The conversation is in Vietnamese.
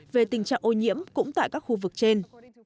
về tình trạng ô nhiễm cũng tại các khu vực trên